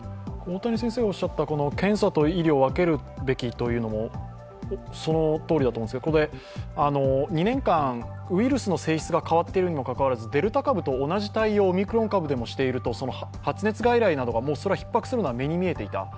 この検査と医療を分けるべきというのもそのとおりだと思いますが、２年間、ウイルスの性質が変わっているにもかかわらずデルタ株と同じ対応をオミクロン株と同じ対応をしていると病床がもうひっ迫するのは目に見えていた。